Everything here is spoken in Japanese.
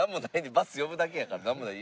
バス呼ぶだけやからなんもない。